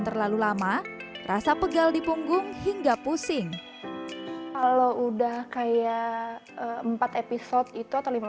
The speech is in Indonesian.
terlalu lama rasa pegal di punggung hingga pusing kalau udah kayak empat episode itu atau lima